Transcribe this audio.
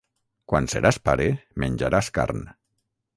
Quan seràs pare menjaràs carn.